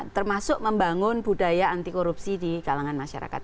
termasuk membangun budaya anti korupsi di kalangan masyarakat